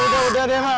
ya udah deh mak